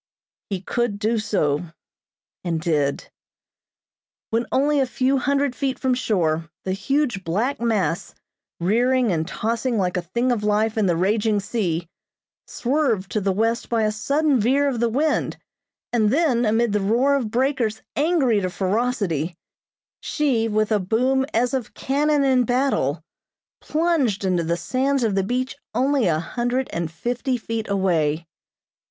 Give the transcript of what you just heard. He could do so, and did. When only a few hundred feet from shore, the huge black mass, rearing and tossing like a thing of life in the raging sea, swerved to the west by a sudden veer of the wind, and then, amid the roar of breakers angry to ferocity, she, with a boom as of cannon in battle, plunged into the sands of the beach only a hundred and fifty feet away.